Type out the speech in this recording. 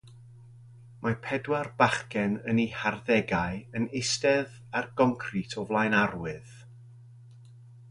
Mae pedwar bachgen yn eu harddegau yn eistedd ar goncrit o flaen arwydd.